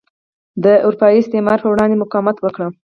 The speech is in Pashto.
د اروپايي استعمار پر وړاندې مقاومت وکړي.